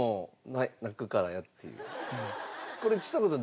これちさ子さん